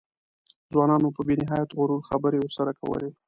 ځوانانو په بې نهایت غرور خبرې ورسره کولې.